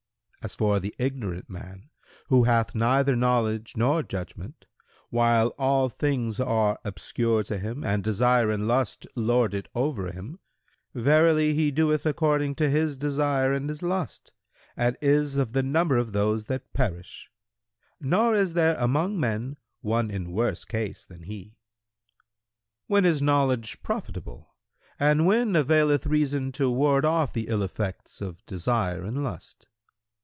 As for the ignorant man, who hath neither knowledge nor judgment, while all things are obscure to him and desire and lust lord it over him, verily he doeth according to his desire and his lust and is of the number of those that perish; nor is there among men one in worse case than he." Q "When is knowledge profitable and when availeth reason to ward off the ill effects of desire and lust?"